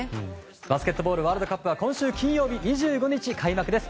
バスケットボールワールドカップは今週金曜日２５日開幕です。